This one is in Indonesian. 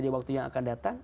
di waktu yang akan datang